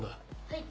はい。